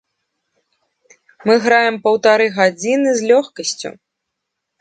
Мы граем паўтары гадзіны з лёгкасцю!